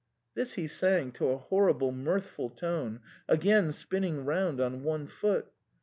This he sang to a horrible mirthful tune, again spinning round on one foot.